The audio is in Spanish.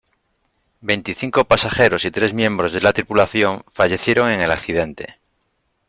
Veinticinco pasajeros y tres miembros de la tripulación fallecieron en el accidente.